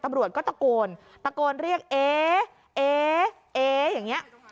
ตำรวจก็ตะโกนตะโกนเรียกเอ๊เออย่างเงี้ย